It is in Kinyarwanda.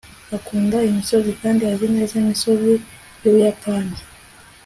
akunda imisozi kandi azi neza imisozi yubuyapani